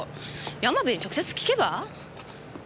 山部に直接訊けば？